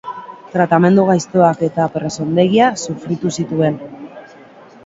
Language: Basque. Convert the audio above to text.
Tratamendu gaiztoak eta presondegia sufritu zituen.